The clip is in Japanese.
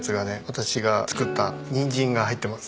私が作ったニンジンが入ってます。